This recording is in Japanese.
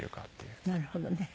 なるほどね。